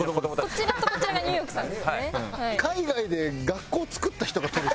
こちらとこちらがニューヨークさんですね。